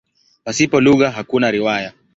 Pasipo lugha hakuna riwaya.